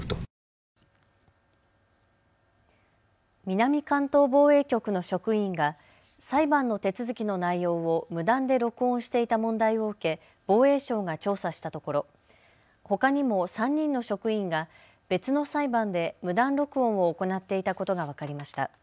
南関東防衛局の職員が裁判の手続きの内容を無断で録音していた問題を受け防衛省が調査したところほかにも３人の職員が別の裁判で無断録音を行っていたことが分かりました。